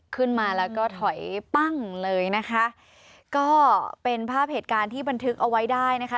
ขึ้นมาแล้วก็ถอยปั้งเลยนะคะก็เป็นภาพเหตุการณ์ที่บันทึกเอาไว้ได้นะคะ